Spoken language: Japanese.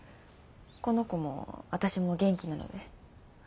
この子も私も元気なので。